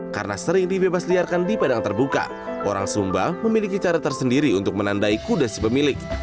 karena sering dibebasliarkan di padang terbuka orang sumba memiliki cara tersendiri untuk menandai kuda si pemilik